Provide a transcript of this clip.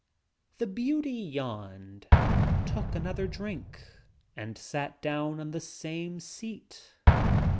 The beauty yawned, took another drink and sat down on the same seat.